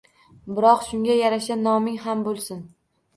Biroq shunga yarasha noming ham bo‘lsin.